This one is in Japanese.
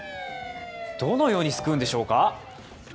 どのように救うんでしょうか？